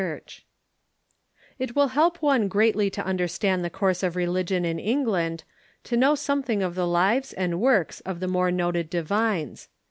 ] It will help one greatly to understand the course of religion in England to know something of the lives and works of the more noted divines.